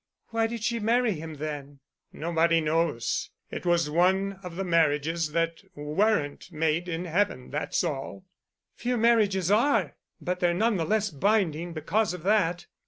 "Why did she marry him then?" "Nobody knows. It was one of the marriages that weren't made in Heaven, that's all." "Few marriages are, but they're none the less binding because of that."